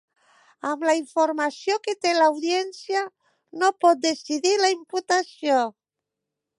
Amb la informació que té l'Audiència no pot decidir la imputació